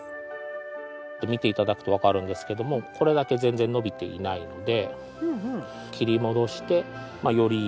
見て頂くとわかるんですけどもこれだけ全然伸びていないので。